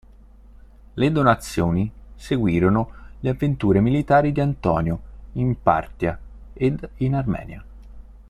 Le donazioni seguirono le avventure militari di Antonio in Partia ed in Armenia.